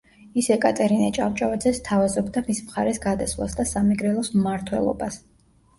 ის ეკატერინე ჭავჭავაძეს სთავაზობდა მის მხარეს გადასვლას და სამეგრელოს მმართველობას.